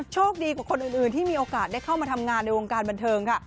โชคดีกว่าคนอื่นที่มีโอกาสได้เข้ามาทำงานในวงการบันเทิงค่ะ